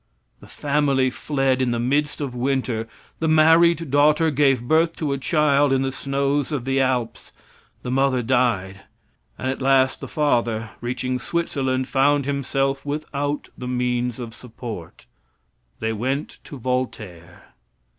The family fled in the midst of winter; the married daughter gave birth to a child in the snows of the Alps; the mother died, and at last the father, reaching Switzerland, found himself without the means of support. They went to Voltaire.